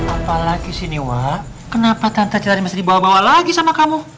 apalagi sih nih wak kenapa tante citra dimaksud dibawa bawa lagi sama kamu